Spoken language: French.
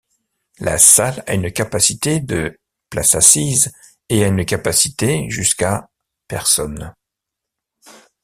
La salle a une capacité de places assises, et a une capacité jusqu'à personnes.